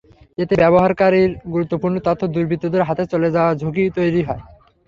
এতে ব্যবহারকারীর গুরুত্বপূর্ণ তথ্য দুর্বৃত্তদের হাতে চলে যাওয়ার ঝুঁকি তৈরি হয়।